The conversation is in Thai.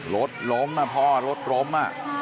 รถล้มพ่อรถล้ม